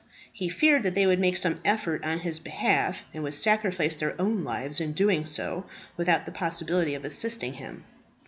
He feared that they would make some effort on his behalf, and would sacrifice their own lives in doing so, without the possibility of assisting him.